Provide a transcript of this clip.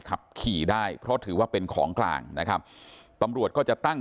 ขับขี่ได้เพราะถือว่าเป็นของกลางนะครับตำรวจก็จะตั้ง